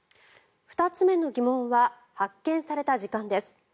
２つ目の疑問は発見された時間です。